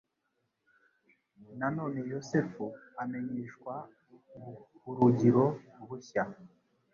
Na none Yosefu amenyeshwa ubuhurugiro bushya.